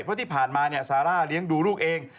เพราะที่ผ่านมาซาร่าเลี้ยงดูลูกเอง